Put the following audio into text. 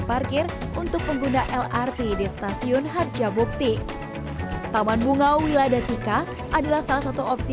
parkir untuk pengguna lrt di stasiun harja bukti taman bunga wiladatika adalah salah satu opsi